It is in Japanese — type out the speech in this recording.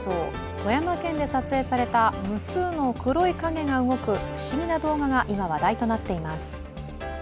富山県で撮影された無数の黒い影が動く不思議な動画が今、話題となっています。